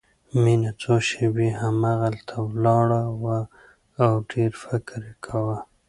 مينه څو شېبې همهغلته ولاړه وه او ډېر فکر يې کاوه.